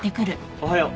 おはよう。